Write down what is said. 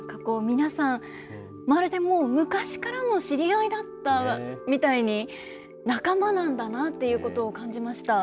皆さん、まるでもう、昔からの知り合いだったみたいに、仲間なんだなっていうことを感じました。